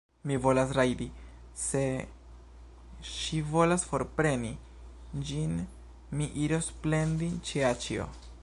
Mi volas rajdi; se ŝi volas forpreni ĝin, mi iros plendi ĉe aĉjo.